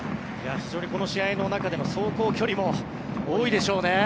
非常にこの試合の中での走行距離も多いでしょうね。